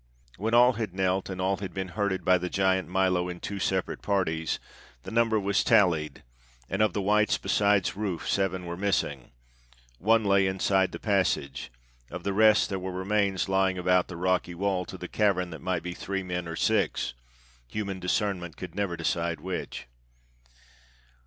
When all had knelt, and all had been herded by the giant Milo in two separate parties, the number was tallied, and of the whites, besides Rufe, seven were missing. One lay inside the passage; of the rest there were remains lying about the rocky wall to the cavern that might be three men or six human discernment could never decide which.